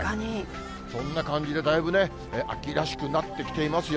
そんな感じで、だいぶね、秋らしくなってきていますよ。